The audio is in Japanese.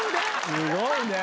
すごいね！